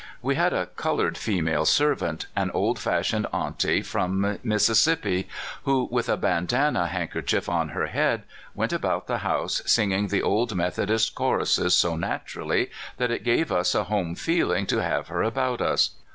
We had a colored female servant an old fashioned aunty from Mississippi who, with a bandanna handkerchief on her head, went about the house singing the old Methodist choruses so naturally that it gave us a home feeling to have her about us.